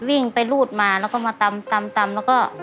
วิ่งไปรูดมาแล้วก็มาตำแล้วก็